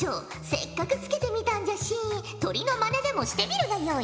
せっかくつけてみたんじゃし鳥のまねでもしてみるがよい。